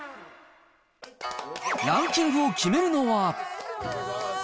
ランキングを決めるのは。